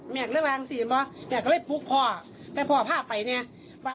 แม่งระวังสิเห็นป่ะแม่งก็เลยผูกพ่อแต่พ่อพ่อไปเนี้ยเออมั่น